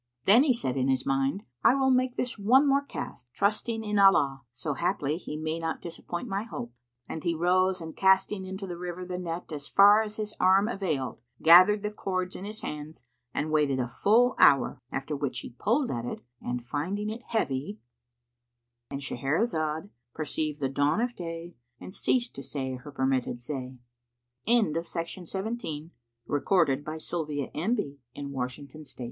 Then he said in his mind, "I will make this one more cast, trusting in Allah, so haply He may not disappoint my hope;" and he rose and casting into the river the net as far as his arm availed, gathered the cords in his hands and waited a full hour, after which he pulled at it and, finding it heavy,—And Shahrazad perceived the dawn of day and ceased to say her permitted say. Wh